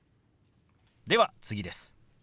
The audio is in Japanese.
では次です。